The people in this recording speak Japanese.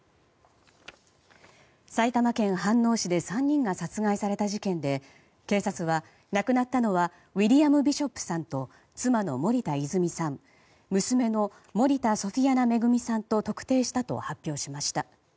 埼玉県飯能市で３人が殺害された事件で警察は亡くなったのはウィリアム・ビショップさんと妻の森田泉さん娘の森田ソフィアナ恵さんと特定したと発表しました。